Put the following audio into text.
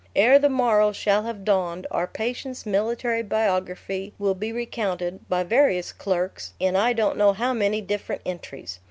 Ere the morrow shall have dawned, our patient's military biography will be recounted, by various clerks, in I don't know how many different entries.